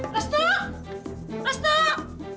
rastuk gak ada